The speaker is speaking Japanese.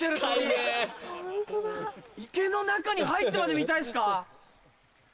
池の中に入ってまで見たいっすか？